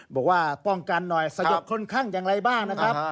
บอกว่าป้องกันหน่อยสยบคนข้างอย่างไรบ้างนะครับ